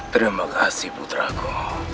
terima kasih putraku